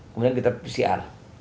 kemudian kita pcr